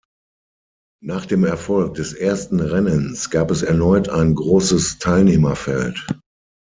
Nach dem Erfolg des ersten Rennens gab es erneut ein großes Teilnehmerfeld.